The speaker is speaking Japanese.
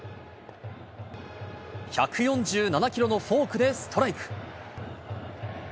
１４７キロのフォークでストライク。